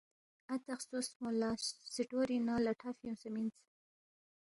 اتا خسوسفونگ لہ سٹورِینگ نہ لٹھا فیُونگسے مِنس